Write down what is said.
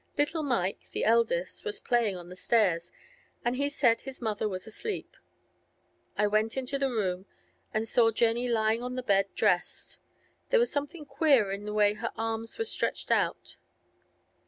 Little Mike, the eldest, was playing on the stairs, and he said his mother was asleep. I went into the room, and saw Jenny lying on the bed dressed. There was something queer in the way her arms were stretched out.